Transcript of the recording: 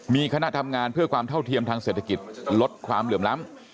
มีคณะทำงานเพื่อความเท่าเทียมทางเศรษฐกิจลดความเหลื่อมล้ำ